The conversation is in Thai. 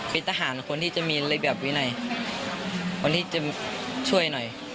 เป็นทหารคนที่จะมีระเบียบวินัยคนที่จะช่วยหน่อย